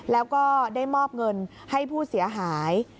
แล้วก็ได้มอบเงินให้ผู้เสียหาย